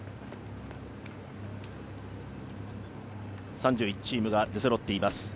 ３１チームが出そろっています。